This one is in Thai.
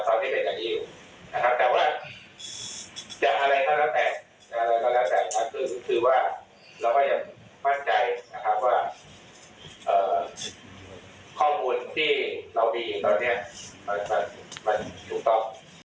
คือเราก็จะมั่นใจว่าข้อมูลที่เรามีตอนนี้มันถูกต้อง